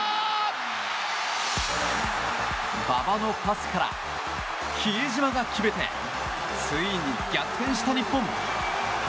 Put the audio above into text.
馬場のパスから比江島が決めてついに逆転した日本。